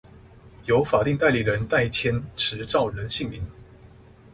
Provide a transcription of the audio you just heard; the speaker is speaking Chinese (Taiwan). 由法定代理人代簽持照人姓名